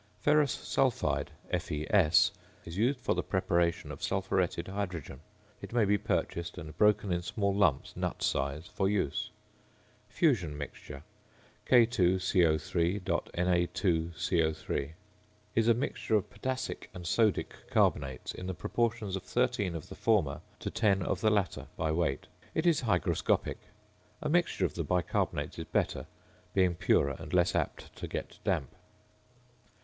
~Ferrous Sulphide~ (FeS) is used for the preparation of sulphuretted hydrogen. It may be purchased and broken in small lumps, nut size, for use. "~Fusion Mixture~" (K_CO_.Na_CO_) is a mixture of potassic and sodic carbonates in the proportions of 13 of the former to 10 of the latter, by weight. It is hygroscopic. A mixture of the bicarbonates is better, being purer and less apt to get damp.